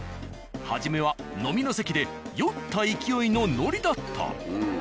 初めは飲みの席で酔った勢いのノリだった。